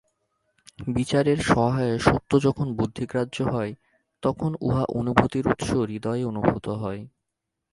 বিচারের সহায়ে সত্য যখন বুদ্ধিগ্রাহ্য হয়, তখন উহা অনুভূতির উৎস হৃদয়েই অনুভূত হয়।